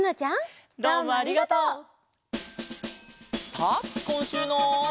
さあこんしゅうの。